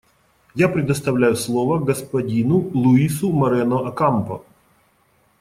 Я предоставляю слово господину Луису Морено-Окампо.